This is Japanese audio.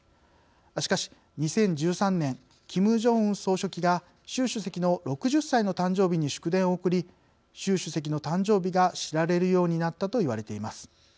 しかし、２０１３年キム・ジョンウン総書記が習主席の６０歳の誕生日に祝電をおくり習主席の誕生日が知られるようになったと言われています。